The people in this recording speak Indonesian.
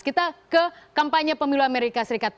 kita ke kampanye pemilu amerika serikat